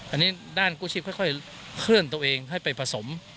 อันนี้ด้านกู้ชีพค่อยเคลื่อนตัวเองให้ไปผสม